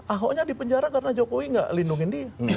ahoknya dipenjara karena jokowi nggak lindungi dia